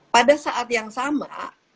pada saat yang sama